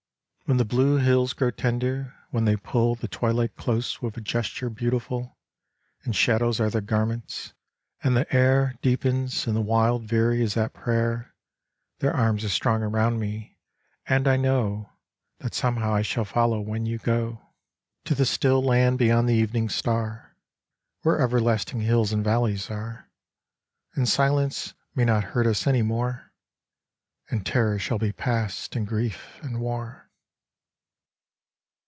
When the blue hills grow tender, when they pull The twilight close with gesture beautiful, And shadows are their garments, and the air Deepens, and the wild veery is at prayer, Their arms are strong around me : and I know That somehow I shall follow when you go 13 After Sunset To the still land beyond the evening star, Where everlasting hills and valleys are, And silence may not hurt us any more, And terror shall be past, and grief, and war.